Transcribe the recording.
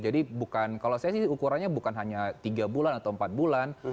jadi bukan kalau saya sih ukurannya bukan hanya tiga bulan atau empat bulan